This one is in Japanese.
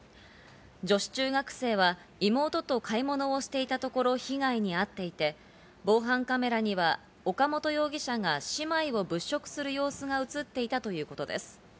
女子中学生は妹と買い物をしていたところ被害に遭っていて、防犯カメラには岡本容疑者が姉妹を物色する様子が映っていたということです。